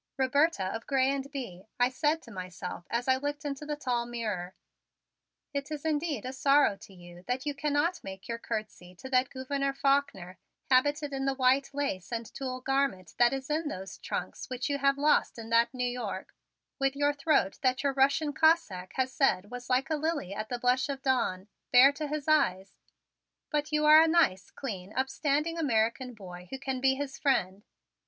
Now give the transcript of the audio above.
"Roberta of Grez and Bye," I said to myself as I looked into the tall mirror, "it is indeed a sorrow to you that you cannot make your courtesy to that Gouverneur Faulkner habited in the white lace and tulle garment that is in those trunks which you have lost in that New York, with your throat that your Russian Cossack has said was like a lily at the blush of dawn, bare to his eyes, but you are a nice, clean, upstanding American boy who can be his friend.